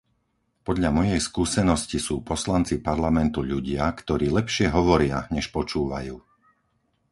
Podľa mojej skúsenosti sú poslanci parlamentu ľudia, ktorí lepšie hovoria než počúvajú.